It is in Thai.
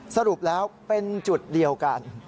สรุปแล้วเป็นจุดเดียวกัน